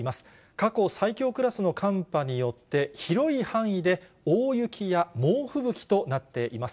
過去最強クラスの寒波によって、広い範囲で大雪や猛吹雪となっています。